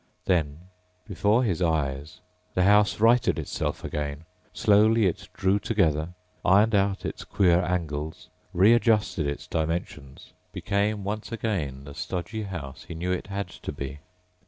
Then, before his eyes, the house righted itself again. Slowly it drew together, ironed out its queer angles, readjusted its dimensions, became once again the stodgy house he knew it had to be.